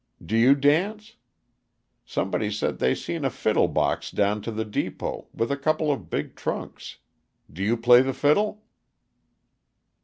D' you dance? Somebody said they seen a fiddle box down to the depot, with a couple of big trunks; d' you play the fiddle?"